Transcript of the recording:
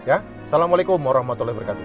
assalamualaikum warahmatullahi wabarakatuh